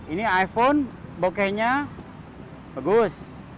ini iphone bokehnya bagus